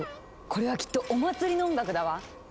これはきっとお祭りの音楽だわ！